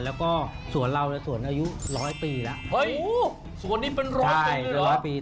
แล้วก็สวนเราในสวนอายุร้อยปีแล้วเฮ้ยสวนนี้เป็นร้อยปีเป็นร้อยปี